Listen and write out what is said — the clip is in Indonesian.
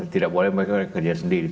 tidak boleh mereka kerja sendiri